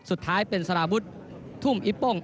สุดท้ายเป็นสารวุฒิทุ่มอิโป้ง